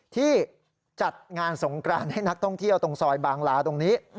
ที่จัดงานสงกรานให้นักท่องเที่ยวตรงซอยบางลาตรงนี้